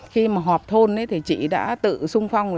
khi mà họp thôn thì chị đã tự sung phong